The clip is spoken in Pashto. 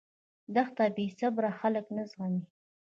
دښته بېصبره خلک نه زغمي.